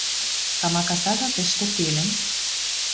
Камака сага тӹштӹ телӹм